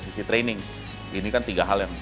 sisi training ini kan tiga hal yang